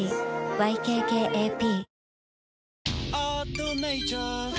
ＹＫＫＡＰ